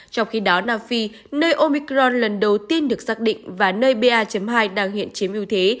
trong khi đó nam phi nơi omicron lần đầu tiên được xác định và nơi ba hai đang hiện chiếm ưu thế